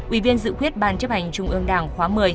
ủy viên dự khuyết ban chấp hành trung ương đảng khóa một mươi